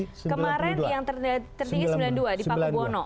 kemarin yang tertinggi sembilan puluh dua di paku buwono